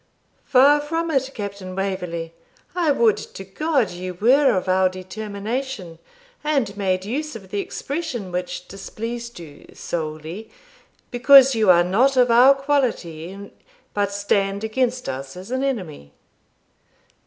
'Far from it, Captain Waverley. I would to God you were of our determination! and made use of the expression which displeased you, solely Because you are not of our quality, But stand against us as an enemy.'